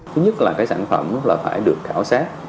thứ nhất là sản phẩm phải được khảo sát